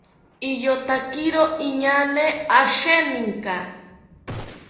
Iyotakiro inaañe asheninka